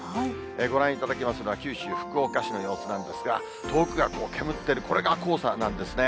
ご覧いただきますのは、九州・福岡市の様子なんですが、遠くがけむってる、これが黄砂なんですね。